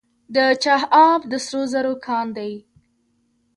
د چاه اب د سرو زرو کان دی